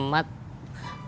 dia udah kekeringan